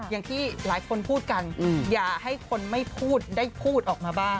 อย่างที่หลายคนพูดกันอย่าให้คนไม่พูดได้พูดออกมาบ้าง